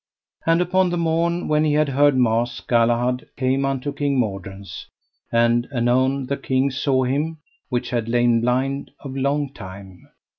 And upon the morn, when he had heard mass, Galahad came unto King Mordrains, and anon the king saw him, which had lain blind of long time.